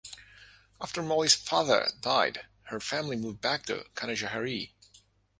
After Molly's father died, her family moved back to Canajoharie.